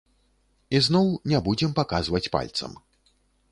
Ізноў не будзем паказваць пальцам.